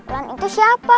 lan itu siapa